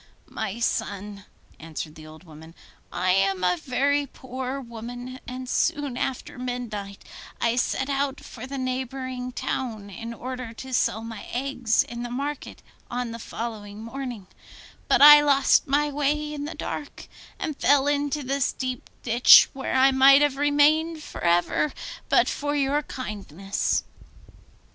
'My son,' answered the old woman, 'I am a very poor woman, and soon after midnight I set out for the neighbouring town in order to sell my eggs in the market on the following morning; but I lost my way in the dark, and fell into this deep ditch, where I might have remained for ever but for your kindness.